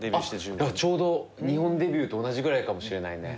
だからちょうど日本デビューと同じぐらいかもしれないね。